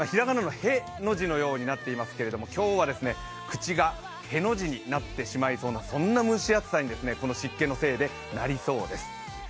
平仮名のへの字のようになっていまして今日は口がへの字になってしまいそうな、そんな蒸し暑さにこの湿気のせいでなりそうです。